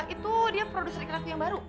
itu dia produser aku yang baru